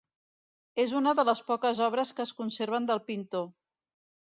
És una de les poques obres que es conserven del pintor.